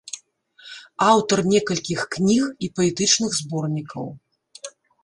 Аўтар некалькіх кніг і паэтычных зборнікаў.